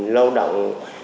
hai lao động